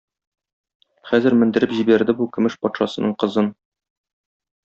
Хәзер мендереп җибәрде бу көмеш патшасының кызын.